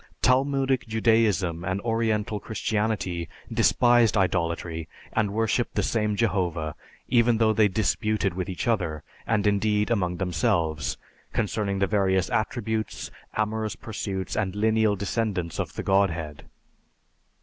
Talmudic Judaism and Oriental Christianity despised idolatry and worshipped the same Jehovah, even though they disputed with each other, and indeed, among themselves, concerning the various attributes, amorous pursuits, and lineal descendants of the Godhead.